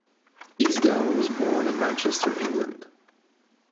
Easdale was born in Manchester, England.